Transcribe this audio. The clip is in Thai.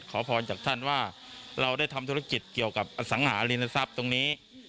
ขอพรจากท่านว่าเราได้ทำธุรกิจเกี่ยวกับอสังหาริมทรัพย์ตรงนี้